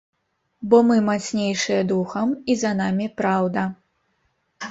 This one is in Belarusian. Бо мы мацнейшыя духам і за намі праўда.